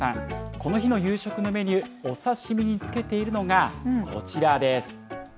この日の夕食のメニュー、お刺身につけているのが、こちらです。